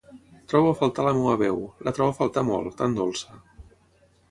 Trobo a faltar la meva veu, la trobo a faltar molt, tan dolça.